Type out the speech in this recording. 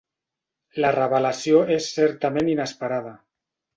La revelació és certament inesperada.